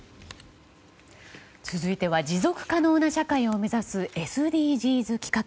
続いては持続可能な社会を目指すＳＤＧｓ企画。